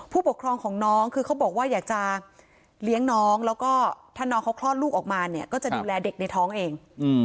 ผู้ปกครองของน้องคือเขาบอกว่าอยากจะเลี้ยงน้องแล้วก็ถ้าน้องเขาคลอดลูกออกมาเนี่ยก็จะดูแลเด็กในท้องเอง